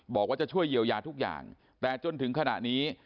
บอกว่าจะช่วยเยียวยาทุกอย่างแต่จนถึงขณะนี้